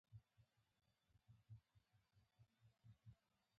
د تاریخ لیکنې لپاره خام مواد جوړوي.